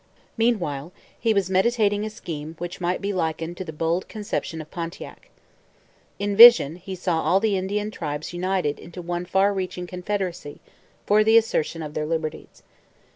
Meanwhile he was meditating a scheme which might be likened to the bold conception of Pontiac. In vision he saw all the Indian tribes united into one far reaching confederacy for the assertion of their liberties.